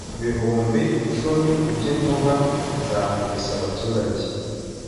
ibihumbi icumi byinkuba zakubise abaturage